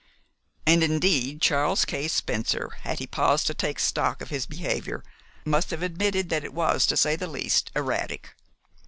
And indeed Charles K. Spencer, had he paused to take stock of his behavior, must have admitted that it was, to say the least, erratic.